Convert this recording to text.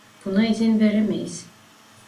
Buna izin veremeyiz.